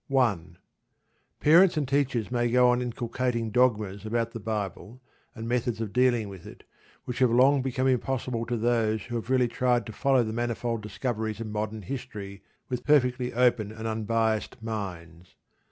1. Parents and teachers may go on inculcating dogmas about the Bible and methods of dealing with it which have long become impossible to those who have really tried to follow the manifold discoveries of modern inquiry with perfectly open and unbiased minds.